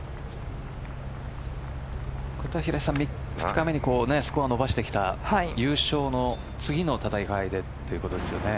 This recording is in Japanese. ２日目にスコアを伸ばしてきた優勝の次の戦いでということですよね。